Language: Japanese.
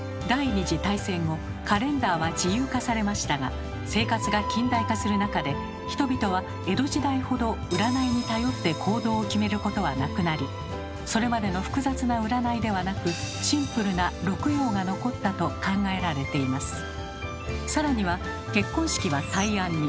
第２次大戦後カレンダーは自由化されましたが生活が近代化する中で人々は江戸時代ほど占いに頼って行動を決めることはなくなりそれまでの複雑な占いではなくシンプルな六曜が残ったと考えられています。